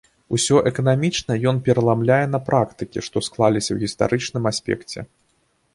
Усё эканамічнае ён пераламляе на практыкі, што склаліся ў гістарычным аспекце.